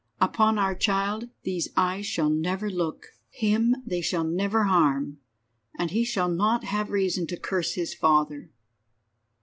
Upon our child these eyes shall never look. Him they shall never harm, and he shall not have reason to curse his father."